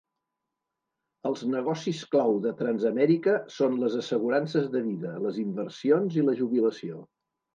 Els negocis clau de Transamerica són les assegurances de vida, les inversions i la jubilació.